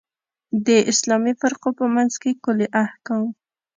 د اسلامي فرقو په منځ کې کُلي احکام.